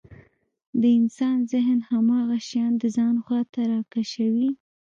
د انسان ذهن هماغه شيان د ځان خواته راکشوي.